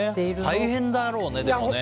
大変だろうね、でもね。